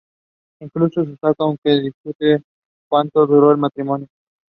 It is based on the novel "Arkansas" by John Brandon.